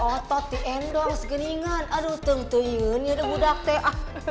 otot di endorse geningan aduh teng tengingan ini udah budak teh